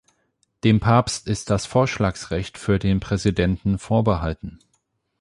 Dem Papst ist das Vorschlagsrecht für den Präsidenten vorbehalten.